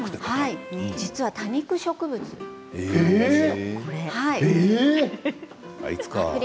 実は多肉植物なんです。